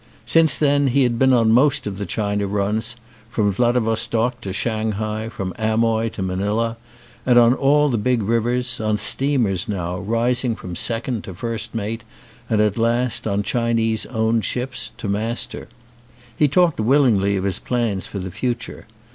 Since then he had been on most of the China runs, from Vladivostok to Shanghai, from Amoy to Manila, and on all the big rivers ; on steam ers now, rising from second to first mate, and at last, on Chinese owned ships, to master. He talked willingly of his plans for the future.